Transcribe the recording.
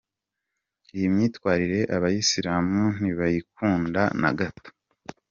Iyi myitwarire abayisilamu ntibayikunda na gato.